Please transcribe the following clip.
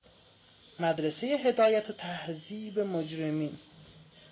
مدرسه هدایت و تهذیب مجرمین